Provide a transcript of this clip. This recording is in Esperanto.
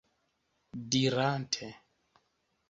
dirante